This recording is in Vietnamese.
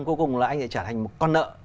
cuối cùng là anh sẽ trở thành một con nợ